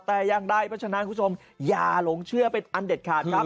แต่ยังได้ถ้าชนะคุณผู้ชมอย่าหลงเชื่อเป็นอันเด็ดขาดครับ